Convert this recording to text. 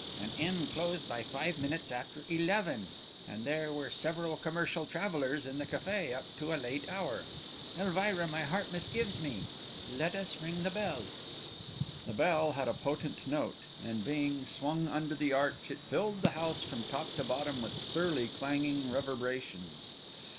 "An inn closed by five minutes after eleven! And there were several commercial travellers in the café up to a late hour. Elvira, my heart misgives me. Let us ring the bell." The bell had a potent note; and being swung under the arch it filled the house from top to bottom with surly, clanging reverberations.